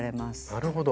なるほど。